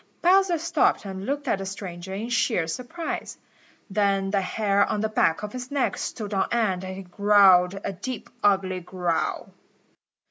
Bowser stopped and looked at the stranger in sheer surprise. Then the hair on the back of his neck stood on end and he growled a deep, ugly growl.